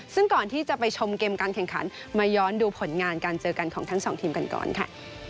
ซึ่งก่อนที่จะไปชมเกมการแข่งขันมาย้อนดูผลงานการเจอกันของทั้งสองทีมกันก่อนค่ะ